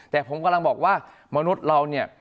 แต่ผมกำลังบอกว่ามนุษย์เราเนี่ย